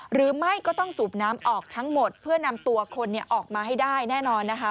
หรือไม่ก็ต้องสูบน้ำออกทั้งหมดเพื่อนำตัวคนออกมาให้ได้แน่นอนนะคะ